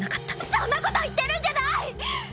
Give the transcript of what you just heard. そんなこと言ってるんじゃない！